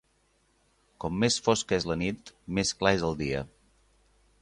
Com més fosca és la nit més clar és el dia.